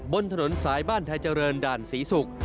บนถนนสายบ้านไทยเจริญด่านศรีศุกร์